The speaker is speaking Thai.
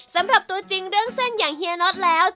สำหรับตัวจริงเรื่องเส้นอย่างเฮียน็อตแล้ว